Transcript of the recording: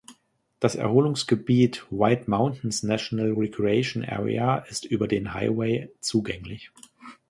Das Erholungsgebiet "White Mountains National Recreation Area" ist über den Highway zugänglich.